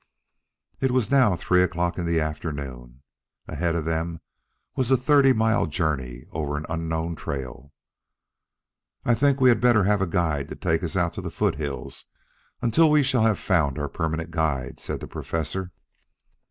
It was now three o'clock in the afternoon. Ahead of them was a thirty mile journey over an unknown trail. "I think we had better have a guide to take us out to the foothills until we shall have found our permanent guide," said the Professor.